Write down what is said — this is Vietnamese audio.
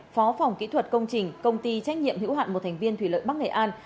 phó phòng kỹ thuật công trình công ty trách nhiệm hữu hạn một thành viên thủy lợi bắc nghệ an